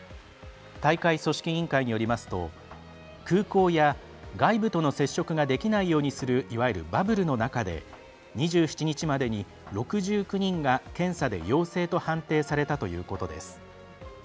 大会組織委員会によりますと空港や外部との接触ができないようにするいわゆるバブルの中で２７日までに６９人が検査で陽性と判定されたということです。